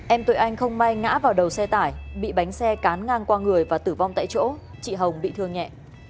em tôi anh không may ngã vào đầu xe tải bị bánh xe cán ngang qua người và tử vong tại chỗ chị hồng bị thương nhẹ